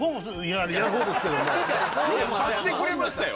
よく貸してくれましたよ